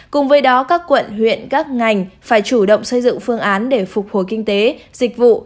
cùng với đó các quận huyện các ngành phải chủ động xây dựng phương án để phục hồi kinh tế dịch vụ